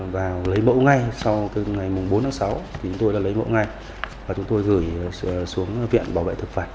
vào lấy mẫu ngay sau ngày bốn sáu chúng tôi đã lấy mẫu ngay và chúng tôi gửi xuống viện bảo vệ thực phẩm